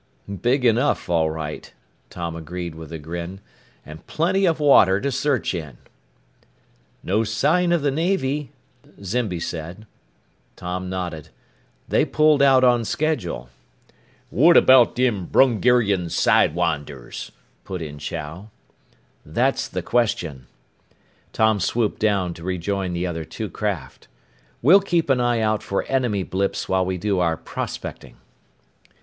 "Big enough, all right," Tom agreed with a grin. "And plenty of water to search in." "No sign of the Navy," Zimby said. Tom nodded. "They pulled out on schedule." "What about them Brungarian sidewinders?" put in Chow. "That's the question!" Tom swooped down to rejoin the other two craft. "We'll keep an eye out for enemy blips while we do our prospecting."